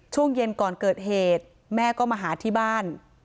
ช่วงเย็นก่อนเกิดเหตุแม่ก็มาหาที่บ้าน